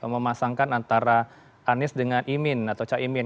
memasangkan antara anies dengan imin atau caimin